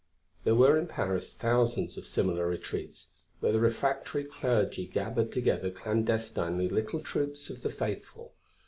There were in Paris thousands of similar retreats, where the refractory clergy gathered together clandestinely little troops of the faithful.